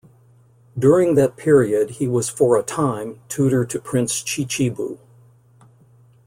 During that period he was for a time tutor to Prince Chichibu.